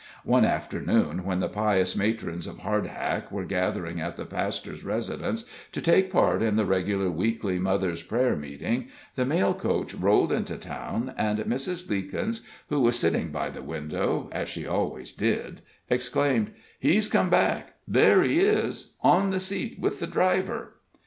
One afternoon, when the pious matrons of Hardhack were gathering at the pastor's residence to take part in the regular weekly mothers' prayer meeting, the mail coach rolled into town, and Mrs. Leekins, who was sitting by the window, as she always did, exclaimed: "He's come back there he is on the seat with the driver!"